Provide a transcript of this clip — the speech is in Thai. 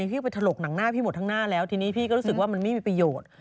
พี่ไปถลกหนังหน้าพี่หมดทั้งหน้าแล้วทีนี้พี่ก็รู้สึกว่ามันไม่มีประโยชน์